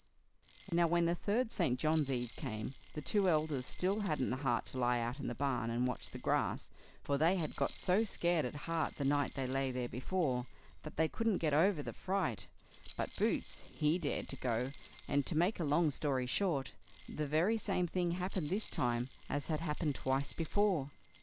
Now, when the third St. John's eve came, the two elder still hadn't the heart to lie out in the barn and watch the grass, for they had got so scared at heart the night they lay there before, that they couldn't get over the fright; but Boots, he dared to go; and, to make a long story short, the very same thing happened this time as had happened twice before.